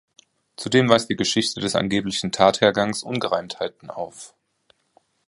Zudem weist die Geschichte des angeblichen Tathergangs Ungereimtheiten auf.